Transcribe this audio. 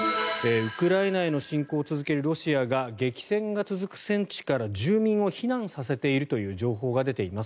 ウクライナへの侵攻を続けるロシアが激戦が続く戦地から住民を避難させているという情報が出ています。